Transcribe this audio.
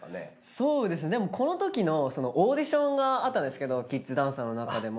そうですねでもこのときのオーディションがあったんですけどキッズダンサーのなかでも。